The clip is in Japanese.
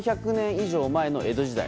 以上前の江戸時代